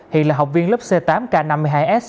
hiện là học viên lớp c tám k năm mươi hai s